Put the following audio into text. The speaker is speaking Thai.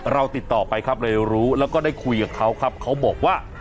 ติดต่อไปครับเลยรู้แล้วก็ได้คุยกับเขาครับเขาบอกว่า